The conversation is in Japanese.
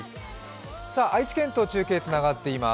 愛知県と中継がつながっています。